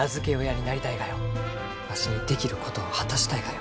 わしにできることを果たしたいがよ。